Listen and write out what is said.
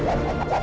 aku akan buktikan